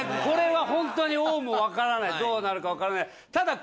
これは本当に王もわからないどうなるかわからない。